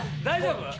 大丈夫？